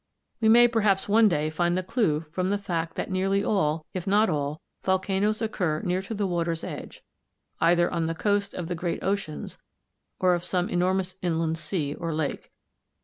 We may perhaps one day find the clue from the fact that nearly all, if not all, volcanoes occur near to the water's edge, either on the coast of the great oceans or of some enormous inland sea or lake.